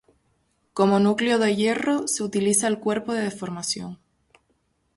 Como núcleo de hierro se utiliza el cuerpo de deformación.